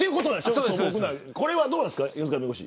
これはどうですか犬塚弁護士。